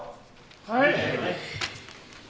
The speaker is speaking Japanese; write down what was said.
はい。